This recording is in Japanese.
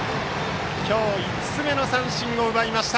今日５つ目の三振を奪いました。